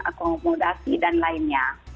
akomodasi dan lainnya